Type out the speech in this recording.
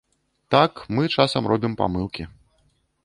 Так, мы часам робім памылкі.